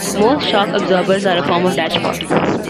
Most shock absorbers are a form of dashpot.